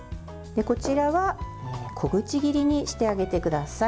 こちらは小口切りにしてあげてください。